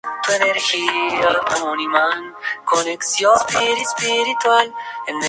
Normalmente, el material era acreditado a Nation, aunque hubiera sido escrito por terceros.